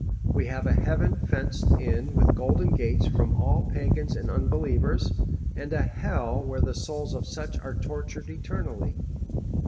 We have a heaven fenced in with golden gates from all pagans and unbelievers, and a hell where the souls of such are tortured eternally.